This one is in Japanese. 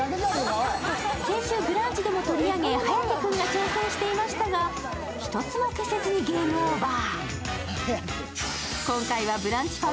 先週「ブランチ」でも取り上げ、颯君が挑戦していましたが、１つも消せずにゲームオーバー。